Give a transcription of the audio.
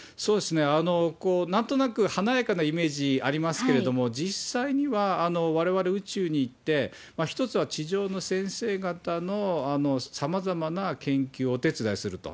なんとなく華やかなイメージありますけれども、実際には、われわれ、宇宙に行って、一つは地上の先生方のさまざまな研究をお手伝いすると。